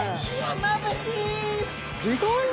まぶしい！